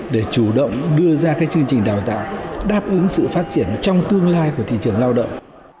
để chủ động đưa ra các chương trình đào tạo đáp ứng sự phát triển trong tương lai của thị trường lao động